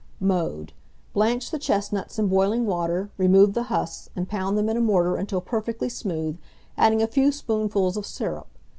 Mode. Blanch the chestnuts in boiling water, remove the husks, and pound them in a mortar until perfectly smooth, adding a few spoonfuls of syrup.